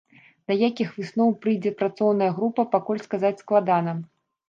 Да якіх высноў прыйдзе працоўная група, пакуль сказаць складана.